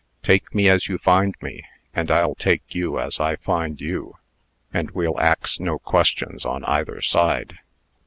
Take me as you find me, and I'll take you as I find you; and we'll ax no questions on either side.'"